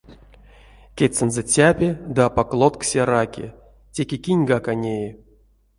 Кедьсэнзэ цяпи ды апак лотксе раки... теке киньгак а неи.